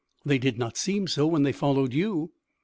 "They did not seem so when they followed you."